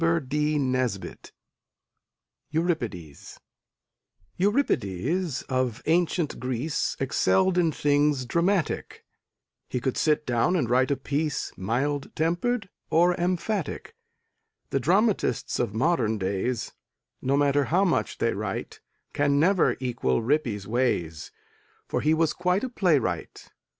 EURIPIDES Euripides, of ancient Greece, Excelled in things dramatic; He could sit down and write a piece Mild tempered or emphatic; The dramatists of modern days No matter how much they write Can never equal Rippy's ways, For he was quite a playwright.